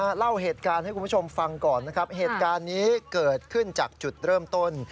เล่าเหตุการณ์ให้คุณผู้ชมฟังก่อนนะครับเหตุการณ์นี้เกิดขึ้นจากจุดเริ่มต้น